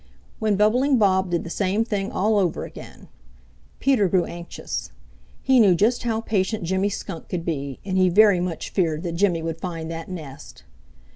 When Bubbling Bob did the same thing all over again. Peter grew anxious. He knew just how patient Jimmy Skunk could be, and he very much feared that Jimmy would find that nest.